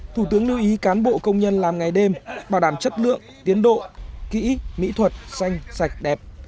thủ tướng lưu ý cán bộ công nhân làm ngày đêm bảo đảm chất lượng tiến độ kỹ mỹ thuật xanh sạch đẹp